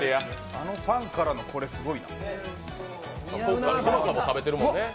あのパンからのこれ、すごいな。